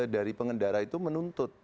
dari pengendara itu menuntut